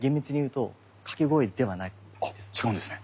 あっ違うんですね。